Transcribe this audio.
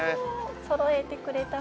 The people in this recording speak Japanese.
そろえてくれたね。